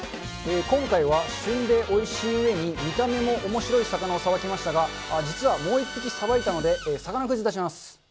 今回は旬でおいしいうえに、見た目もおもしろい魚をさばきましたが、実はもう一匹さばいたので、魚クイズ出します。